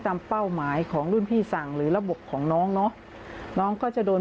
เป้าหมายของรุ่นพี่สั่งหรือระบบของน้องเนาะน้องก็จะโดน